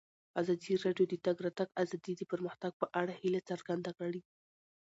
ازادي راډیو د د تګ راتګ ازادي د پرمختګ په اړه هیله څرګنده کړې.